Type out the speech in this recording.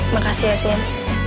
makasih ya sin